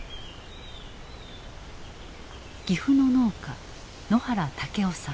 岐阜の農家野原武雄さん。